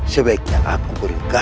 sebaiknya aku beri gas ke dia